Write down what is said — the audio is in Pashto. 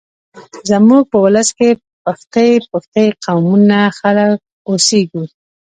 زموږ په ولس کې پښتۍ پښتۍ قومونه خلک اوسېږيږ